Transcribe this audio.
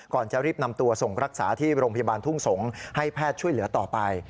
ก่อนจะรีบนำตัวส่งรักษาที่โรงพยาบาลทุ่งสงศ์ให้แพทย์ช่วยเหลือต่อไป